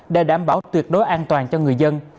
để đảm bảo tuyệt đối an toàn cho người dân